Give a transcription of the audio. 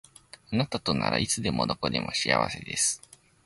あなたとならいつでもどこでも幸せです